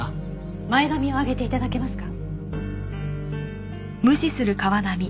前髪を上げて頂けますか？